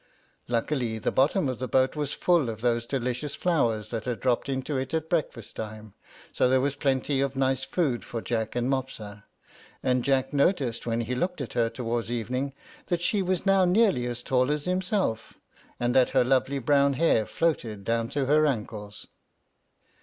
Luckily the bottom of the boat was full of those delicious flowers that had dropped into it at breakfast time, so there was plenty of nice food for Jack and Mopsa; and Jack noticed, when he looked at her towards evening, that she was now nearly as tall as himself, and that her lovely brown hair floated down to her ankles.